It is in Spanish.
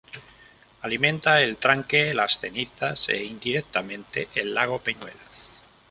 Alimenta el tranque Las Cenizas, e indirectamente el lago Peñuelas.